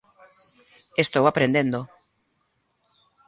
Estou aprendendo.